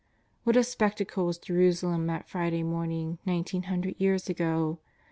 What a spectacle was Jerusalem that Friday morn ing nineteen hundred years ago !